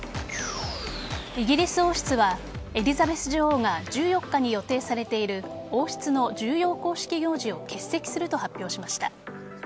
イギリス王室はエリザベス女王が１４日に予定されている王室の重要公式行事を欠席すると発表しました。